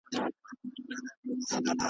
زه اړ نه یم چي مي لوری ستا پر کور کم .